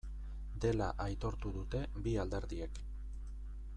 Dela aitortu dute bi alderdiek.